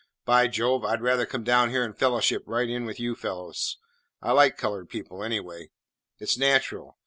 By Jove! I 'd rather come down here and fellowship right in with you fellows. I like coloured people, anyway. It 's natural.